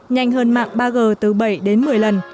nhanh hơn mạng ba g từ bảy đến một mươi lần